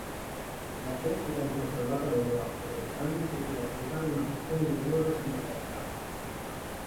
La crescita incontrollata delle ossa del cranio poteva causare una pressione dolorosa sulla testa.